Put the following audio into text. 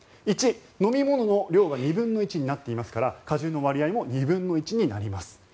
１、飲み物の量が２分の１になっていますから果汁の割合も２分の１になります。